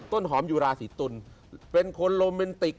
ต้นหอมยุราศิตนเป็นคนโรเมนติก